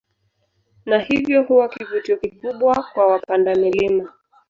Na hivyo kuwa kivutio kikubwa kwa wapanda milima